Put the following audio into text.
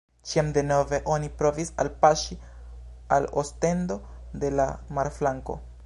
Ĉiam denove oni provis alpaŝi al Ostendo de la marflanko.